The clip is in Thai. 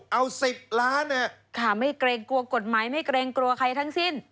เอา๑๐ล้านเนี่ยค่ะไม่เกรงกลัวกฎหมายไม่เกรงกลัวใครทั้งสิ้น